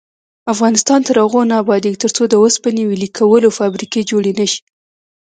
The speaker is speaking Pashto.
افغانستان تر هغو نه ابادیږي، ترڅو د اوسپنې ویلې کولو فابریکې جوړې نشي.